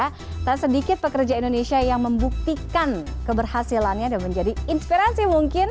tidak sedikit pekerja indonesia yang membuktikan keberhasilannya dan menjadi inspirasi mungkin